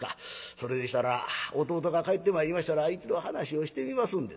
それでしたら弟が帰ってまいりましたら一度話をしてみますんで』。